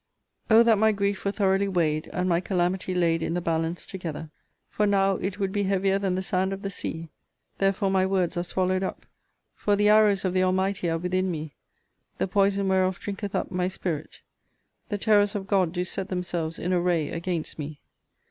O that my grief were thoroughly weighed, and my calamity laid in the balance together! For now it would be heavier than the sand of the sea: therefore my words are swallowed up! For the arrows of the Almighty are within me; the poison whereof drinketh up my spirit. The terrors of God do set themselves in array against me.